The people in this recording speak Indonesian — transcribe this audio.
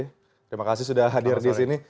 terima kasih sudah hadir di sini